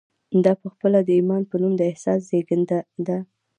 دا پخپله د ايمان په نوم د احساس زېږنده ده.